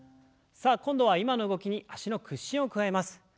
さあ今度は今の動きに脚の屈伸を加えます。